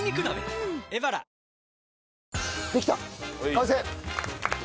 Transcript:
完成！